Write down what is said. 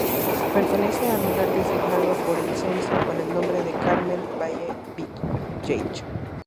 Pertenece al lugar designado por el censo con el nombre de Carmel Valley Village.